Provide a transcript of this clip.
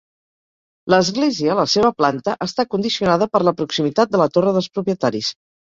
L'església, la seva planta, està condicionada per la proximitat de la Torre dels propietaris.